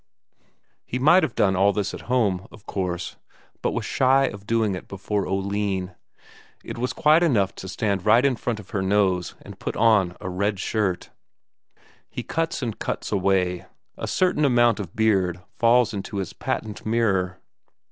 He might have done all this at home, of course, but was shy of doing it before Oline; it was quite enough to stand there right in front of her nose and put on a red shirt. He cuts and cuts away, a certain amount of beard falls into his patent mirror.